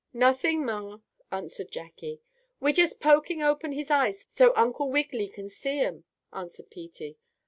"Nothing, ma," answered Jackie. "We're jest pokin' open his eyes so Uncle Wiggily can see 'em," answered Peetie.